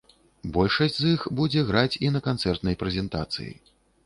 Большасць з іх будзе граць і на канцэртнай прэзентацыі.